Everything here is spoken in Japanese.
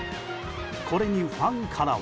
これにファンからは。